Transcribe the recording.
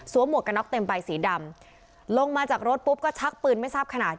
หมวกกระน็อกเต็มใบสีดำลงมาจากรถปุ๊บก็ชักปืนไม่ทราบขนาด